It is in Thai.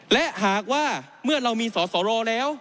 และหากว่าเมื่อเรามีสอสอรอแล้ว